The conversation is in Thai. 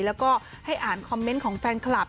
แล้วก็ให้อ่านคอมเมนต์ของแฟนคลับ